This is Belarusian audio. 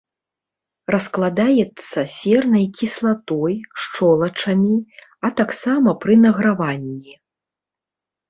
Раскладаецца сернай кіслатой, шчолачамі, а таксама пры награванні.